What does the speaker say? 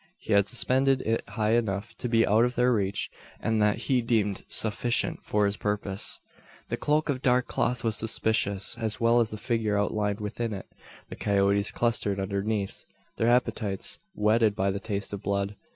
He had suspended it high enough to be out of their reach; and that he deemed sufficient for his purpose. The cloak of dark cloth was conspicuous, as well as the figure outlined within it. The coyotes clustered underneath their appetites whetted by the taste of blood.